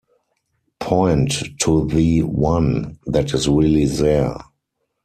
Point to the one that is really there.